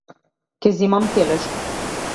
Ќе земам телешко.